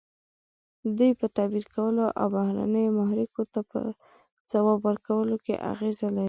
دوی په تعبیر کولو او بهرنیو محرکو ته په ځواب ورکولو کې اغیزه لري.